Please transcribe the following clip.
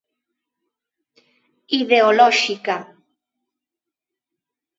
Ideolóxica.